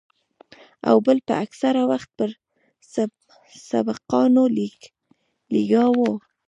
او بل به اکثره وخت پر سبقانو لګيا وو.